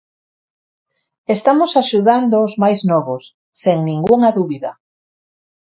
Estamos axudando os máis novos, sen ningunha dúbida.